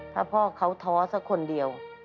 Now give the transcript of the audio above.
ถ้าพ่อเขาท้อสักคนเดียว